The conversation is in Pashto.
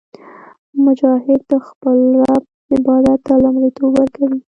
مجاهد د خپل رب عبادت ته لومړیتوب ورکوي.